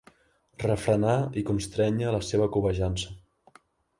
Refrenar i constrènyer la seva cobejança.